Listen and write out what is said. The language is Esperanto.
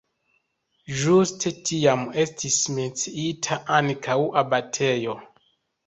Ĝuste tiam estis menciita ankaŭ abatejo.